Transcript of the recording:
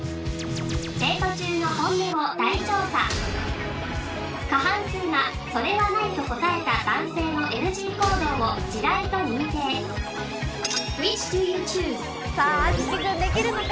デート中の本音を大調査過半数がそれはないと答えた男性のＮＧ行動を地雷と認定篤紀君できるのか？